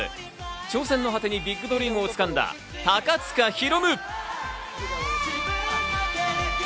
挑戦の果てにビッグドリームを掴んだ高塚大夢。